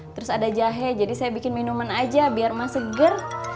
terus ada jahe jadi saya bikin minuman aja biar mah seger